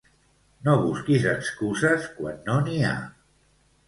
No busquis excuses quan no n'hi ha.